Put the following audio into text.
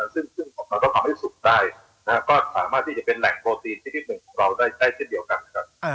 ซึ่งของเราต้องทำให้สุดได้ก็สามารถที่จะเป็นแหล่งโปรตีนชนิดหนึ่งของเราได้เช่นเดียวกันนะครับ